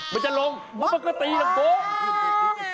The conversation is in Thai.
มันจะลงมันก็ตีแล้วโป๊ะ